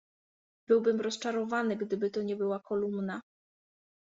"Byłbym rozczarowany, gdyby to nie była kolumna."